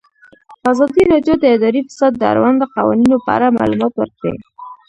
ازادي راډیو د اداري فساد د اړونده قوانینو په اړه معلومات ورکړي.